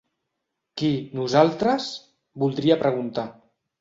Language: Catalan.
Qui, nosaltres?, voldria preguntar.